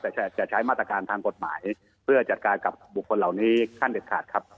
แต่จะใช้มาตรการทางกฎหมายเพื่อจัดการกับบุคคลเหล่านี้ขั้นเด็ดขาดครับ